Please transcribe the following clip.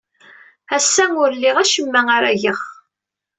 Ass-a, ur liɣ acemma ara geɣ.